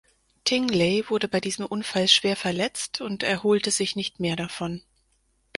Tingley wurde bei diesem Unfall schwer verletzt, und erholte sich nicht mehr davon.